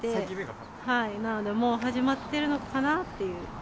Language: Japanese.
もう始まってるのかなっていう。